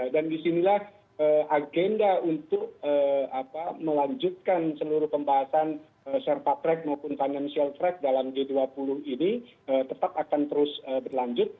dan disinilah agenda untuk melanjutkan seluruh pembahasan serpatrek maupun financial track dalam g dua puluh ini tetap akan terus berlanjut